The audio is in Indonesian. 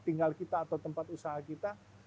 tinggal kita atau tempat usaha kita